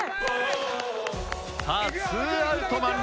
さあツーアウト満塁。